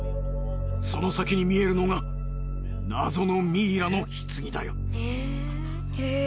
その先に見えるのが謎のミイラの棺だよ。